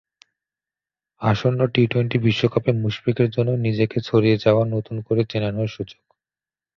আসন্ন টি-টোয়েন্টি বিশ্বকাপে মুশফিকের জন্য নিজেকে ছাড়িয়ে যাওয়া, নতুন করে চেনানোর সুযোগ।